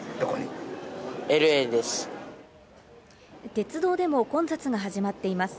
鉄道でも混雑が始まっています。